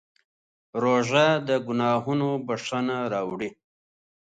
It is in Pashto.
روژه د ګناهونو بښنه راوړي.